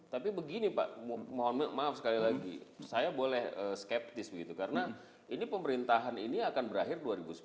tapi begini pak mohon maaf sekali lagi saya boleh skeptis begitu karena ini pemerintahan ini akan berakhir dua ribu sembilan belas